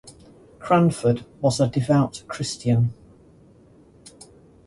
Cranford was a devout Christian.